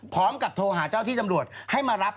พร้อมกับโทรหาเจ้าที่จำรวจให้มารับ